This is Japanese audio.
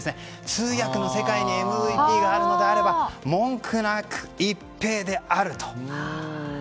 通訳の世界にＭＶＰがあるのであれば文句なくイッペイであると。